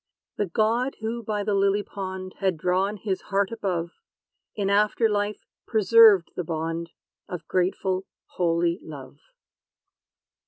The God who by the lily pond Had drawn his heart above, In after life preserved the bond Of grateful, holy love.